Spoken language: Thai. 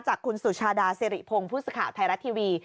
จากคุณสุชาดาสิริพงศ์ผู้สื่อข่าวไทยรัฐทีวี